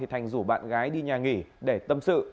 thành rủ bạn gái đi nhà nghỉ để tâm sự